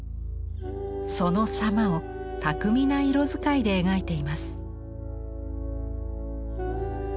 そのさまを巧みな色遣いで描いています。